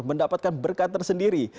mendapatkan berkat tersendiri